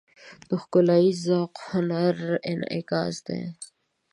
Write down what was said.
د ښکلاییز ذوق هنري انعکاس دی.